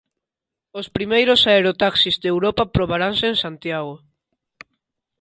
Os primeiros aerotaxis de Europa probaranse en Santiago.